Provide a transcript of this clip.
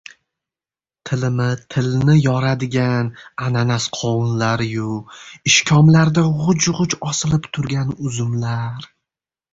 Tilimi tilni yoradigan ananas qovunlari-yu, ishkomlarda g‘uj-g‘uj osilib turgan uzumlar.